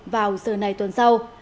vào giờ này tuần sau